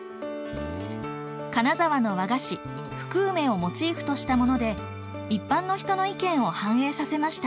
金沢の和菓子福梅をモチーフとしたもので一般の人の意見を反映させました。